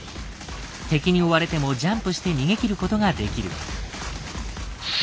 敵に追われてもジャンプして逃げきることができる。